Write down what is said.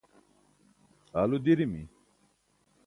aalu dirimi